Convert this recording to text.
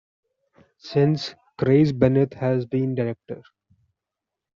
Since Craig Bennett has been director.